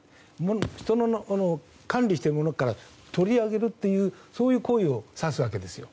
人が管理しているものから取り上げるという行為を指すわけです。